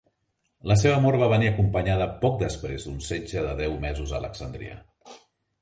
La seva mort va venir acompanyada poc després d'un setge de deu mesos a Alexandria.